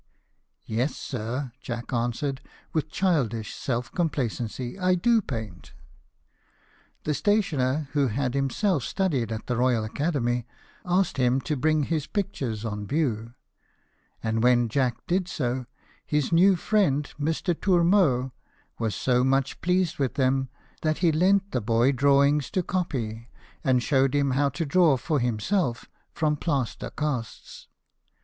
" Yes, sir," Jack answered, with childish self complacency, " I do paint." The stationer, who had himself studied at the Royal Academy, asked him to bring his pictures on view ; and when Jack did so, liis new friend, Mr. Tourmeau, was so much pleased with them that he lent the boy draw ings to copy, and showed him how to draw for himself from plaster casts.